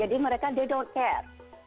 jadi mereka harus berpikir